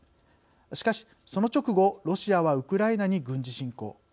しかし、その直後ロシアはウクライナに軍事侵攻。